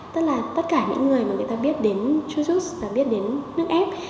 tức là tất cả những người mà người ta biết đến chujust và biết đến nước ép